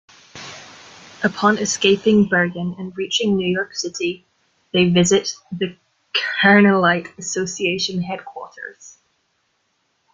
Upon escaping Bergen and reaching New York City, they visit the Kernelight Association headquarters.